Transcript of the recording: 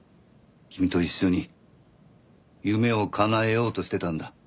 君と一緒に夢をかなえようとしてたんだ。